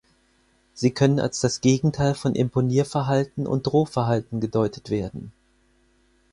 Sie können als das Gegenteil von Imponierverhalten und Drohverhalten gedeutet werden.